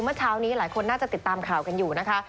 เมื่อเช้านี้หลายคนน่าจะติดตามข่าวกันอยู่นะคะ